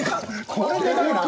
これ、でかいなあ。